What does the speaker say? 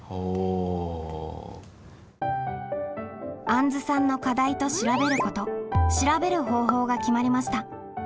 あんずさんの課題と「調べること」「調べる方法」が決まりました。